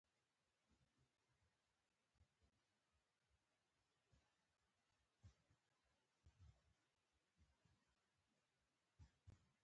له يوې خوا چاته تکليف ونه رسېږي.